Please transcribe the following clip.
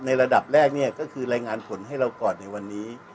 ระดับแรกเนี่ยก็คือรายงานผลให้เราก่อนในวันนี้